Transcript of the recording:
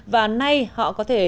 và nay họ có thể